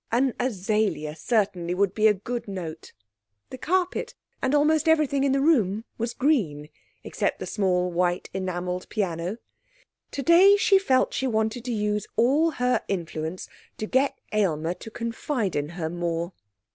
An azalea, certainly, would be a good note. The carpet, and almost everything in the room, was green, except the small white enamelled piano. Today she felt that she wanted to use all her influence to get Aylmer to confide in her more.